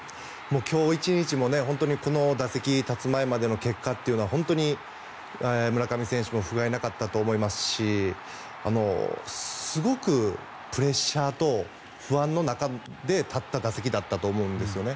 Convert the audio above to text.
今日１日もこの打席に立つ前までの結果というのは本当に村上選手もふがいなかったと思いますしすごくプレッシャーと不安の中で立った打席だったと思うんですよね。